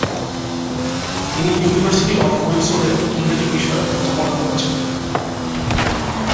তিনি university of উইন্ডসোর-এ ইংরেজি বিষয়ে অধ্যাপনা করেছেন।